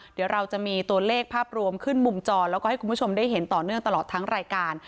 เดี๋ยวเราจะมีตัวเลขภาพรวมขึ้นมุมจอแล้วก็ให้คุณผู้ชมได้เห็นต่อเนื่องตลอดทั้งรายการ